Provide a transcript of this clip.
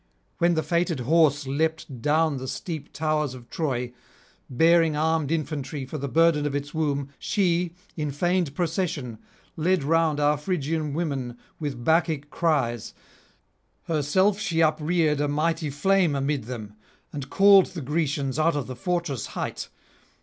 When the fated horse leapt down on the steep towers of Troy, bearing armed infantry for the burden of its womb, she, in feigned procession, led round our Phrygian women with Bacchic cries; herself she upreared a mighty flame amid them, and called the Grecians out of the fortress height.